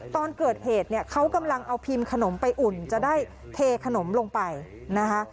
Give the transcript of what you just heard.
ตอนเกิดเหตุเนี่ยเขากำลังเอาพิมพ์ขนมไปอุ่นจะได้เทขนมลงไปนะคะ